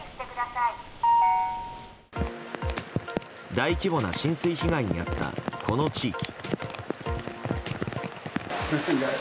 大規模な浸水被害にあったこの地域。